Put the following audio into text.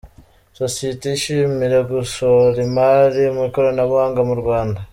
Sosiyete yishimira gushora imari mu ikoranabuhanga mu Rwanda